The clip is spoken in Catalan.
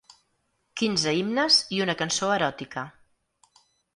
Quinze himnes i una cançó eròtica.